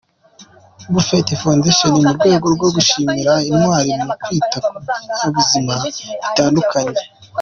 Buffett Foundation, mu rwego rwo gushimira intwari mu kwita ku binyabuzima bitandukanye.